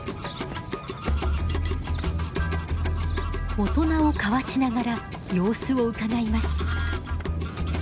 大人をかわしながら様子をうかがいます。